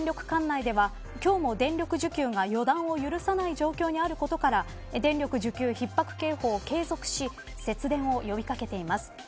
管内では今日も電力需給が予断を許さない状況にあることから電力需給ひっ迫警報を継続し節電を呼び掛けています。